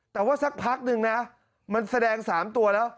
แต่ว่าสักพักนึงนะมันแสดง๓ตัวแล้ว